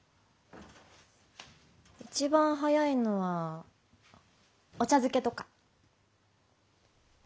一番早いのはお茶漬けとか。